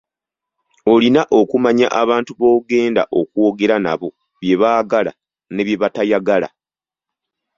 Olina okumanya abantu b'ogenda okwogera nabo bye baagala ne bye batayagala.